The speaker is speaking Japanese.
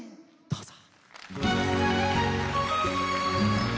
どうぞ。